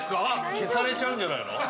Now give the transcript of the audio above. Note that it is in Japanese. ◆消されちゃうんじゃないの。